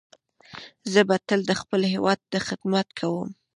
زه به تل د خپل هیواد خدمت کوم.